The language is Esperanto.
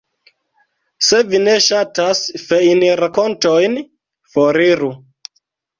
Se vi ne ŝatas feinrakontojn, foriru.